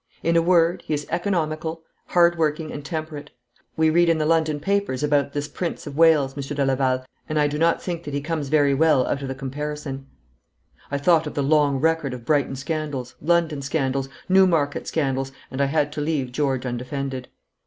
In a word, he is economical, hard working, and temperate. We read in the London papers about this Prince of Wales, Monsieur de Laval, and I do not think that he comes very well out of the comparison.' I thought of the long record of Brighton scandals, London scandals, Newmarket scandals, and I had to leave George undefended.